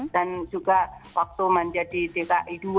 dan juga waktu menjadi dki dua